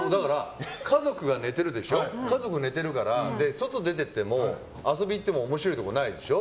家族が寝ているから外出て行っても遊びに行っても面白いところないでしょ。